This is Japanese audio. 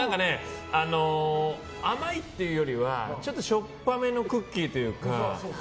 甘いっていうよりはしょっぱめのクッキーというか。